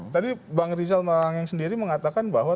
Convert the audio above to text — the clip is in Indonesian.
tadi bang rizal malang sendiri mengatakan bahwa